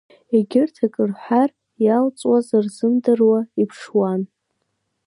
Егьырҭ акы рҳәар иалҵуаз рзымдыруа иԥшуан.